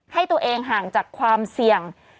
ให้ตัวเองห่างจากความเสี่ยง